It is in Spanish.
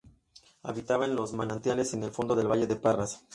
Habitaba en los manantiales en el fondo del Valle de Parras.